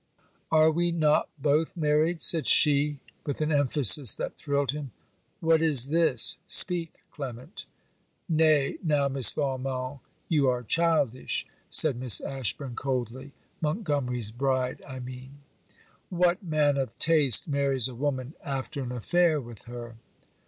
'Are we not both married?' said she, with an emphasis that thrilled him. 'What is this? speak Clement!' 'Nay, now, Miss Valmont, you are childish,' said Mrs. Ashburn coldly (Montgomery's bride I mean). 'What man of taste marries a woman after an affair with her?'